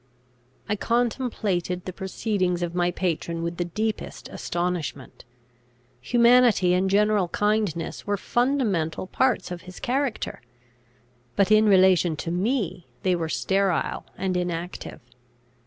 I contemplated the proceedings of my patron with the deepest astonishment. Humanity and general kindness were fundamental parts of his character; but in relation to me they were sterile and inactive.